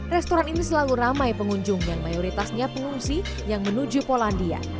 restoran ini selalu ramai pengunjung yang mayoritasnya pengungsi yang menuju polandia